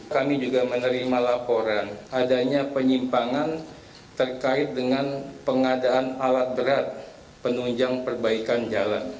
kami juga menerima laporan adanya penyimpangan terkait dengan pengadaan alat berat penunjang perbaikan jalan